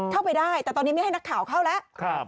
เข้าไปได้แต่ตอนนี้ไม่ให้นักข่าวเข้าแล้ว